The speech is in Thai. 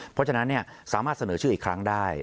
เพราะฉะนั้นสามารถเสนอชื่ออีกครั้งได้